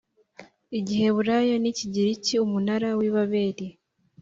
igiheburayo n ikigiriki Umunara wibaberi